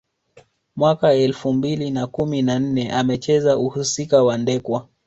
Mwaka elfu mbili na kumi na nne amecheza uhusika wa Ndekwa